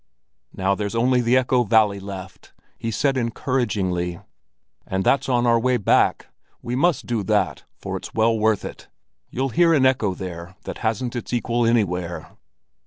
"Now there's only the Echo Valley left," he said encouragingly, "and that's on our way back. We must do that, for it's well worth it. You'll hear an echo there that hasn't its equal anywhere."